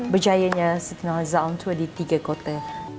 berjaya siti nohaliza on tour di tiga kota